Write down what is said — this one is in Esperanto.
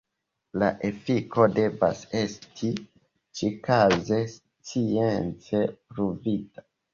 La efiko devas esti ĉikaze science pruvita.